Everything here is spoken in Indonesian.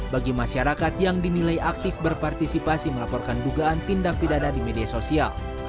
bagi masyarakat yang dinilai aktif berpartisipasi melaporkan dugaan tindak pidana di media sosial